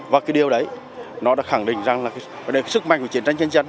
và cái điều đấy nó đã khẳng định rằng là sức mạnh của chiến tranh nhân dân